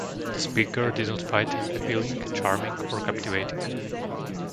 The speaker did not find him appealing, charming, or captivating.